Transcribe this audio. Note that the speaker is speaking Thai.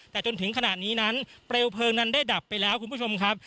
แต่จนถึงขณะนี้นั้นเปลวเพลิงนั้นได้ดับไปแล้วคุณผู้ชมครับ